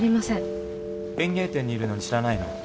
園芸店にいるのに知らないの？